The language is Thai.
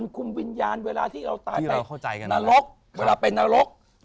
คุมวิญญาณเวลาที่เราตายไปที่เราเข้าใจกันนรกเวลาเป็นนรกครับ